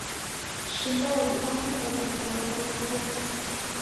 Shimba yadima kukaia na lwaka lohora.